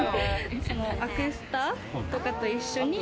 アクスタとかと一緒に。